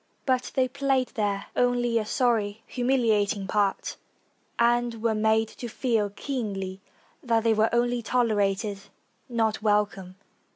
But they played there only a sorry, humiliating part, and were made to feel keenly that they were only tolerated, not welcome.